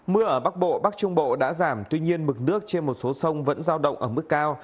mưa ở bắc bộ bắc trung bộ đã giảm tuy nhiên mực nước trên một số sông vẫn giao động ở mức cao